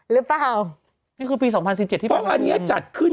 หรือเปล่านี่คือปี๒๐๑๗ที่เพราะว่าอันนี้จัดขึ้น